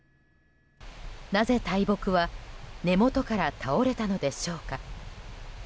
なぜ大木は根元から倒れたのでしょうか。